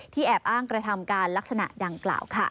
แอบอ้างกระทำการลักษณะดังกล่าวค่ะ